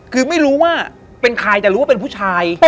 คือไม่รู้ว่าเป็นใครแต่รู้ว่าเป็นผู้ชาย